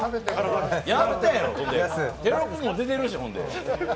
やったやろ、テロップも出てるし、ほんで。